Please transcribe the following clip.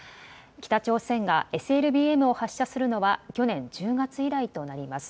北朝鮮がＳＬＢＭを発射するのは去年１０月以来となります。